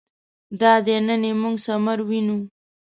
دادی نن یې موږ ثمر وینو.